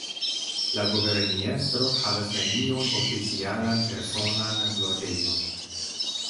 La guberniestro havas neniun oficialan personan loĝejon.